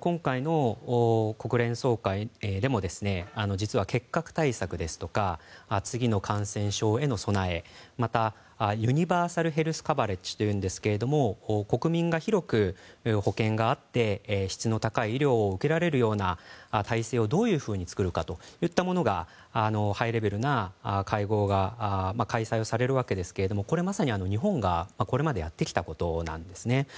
今回の国連総会でも実は、結核対策ですとか次の感染症への備えまた、ユニバーサルヘルスカバレッジというんですが国民が広く保険があって質の高い医療を受けられるような体制をどういうふうに作るかといったことがハイレベルな会合が開催されるわけですがこれはまさに日本がこれまでやってきたことなんですね。